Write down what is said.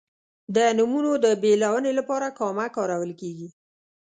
د نومونو د بېلونې لپاره کامه کارول کیږي.